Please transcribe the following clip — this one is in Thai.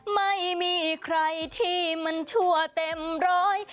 ไม่มีใครที่มันชั่วเต็มร้อย